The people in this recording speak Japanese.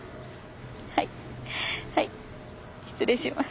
はいはい失礼します。